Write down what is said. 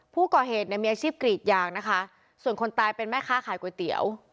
ผู้ก่อเหตุเนี่ยมีอาชีพกรีดยางนะคะส่วนคนตายเป็นแม่ค้าขายก๋วยเตี๋ยว